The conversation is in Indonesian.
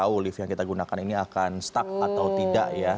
karena tahu lift yang kita gunakan ini akan stuck atau tidak ya